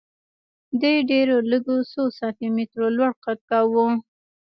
دې ډېرو لږو څو سانتي متره لوړ قد کاوه